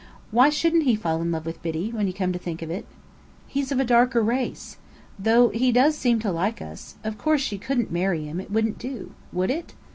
Why shouldn't he fall in love with Biddy, when you come to think of it?" "He's of a darker race. Though he does seem so like us. Of course she couldn't marry him. It wouldn't do. Would it?"